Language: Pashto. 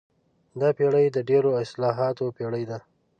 دا پېړۍ د ډېرو اصطلاحاتو پېړۍ ده.